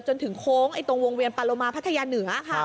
จนถึงโค้งตรงวงเวียนปาโลมาพัทยาเหนือ